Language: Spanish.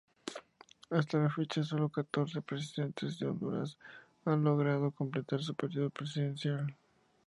Hasta la fecha solo catorce presidentes de Honduras han logrado completar su periodo presidencial.